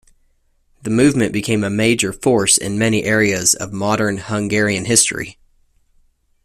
The movement became a major force in many areas of modern Hungarian history.